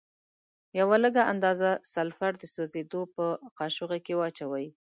یوه لږه اندازه سلفر د سوځیدو په قاشوغه کې واچوئ.